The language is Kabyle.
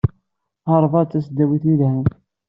Harvard d tasdawit yelhan.